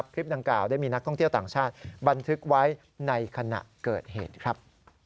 คลิปดังกล่าวได้มีนักท่องเที่ยวต่างชาติบันทึกไว้ในขณะเกิดเหตุครับ